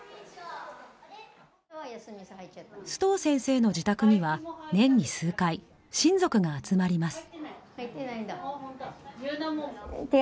須藤先生の自宅には年に数回親族が集まります。